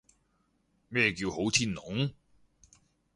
咩叫好天龍？